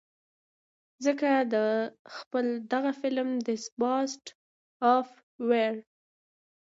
ځکه د خپل دغه فلم The Beast of War